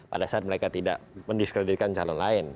pada saat mereka tidak mendiskreditkan calon lain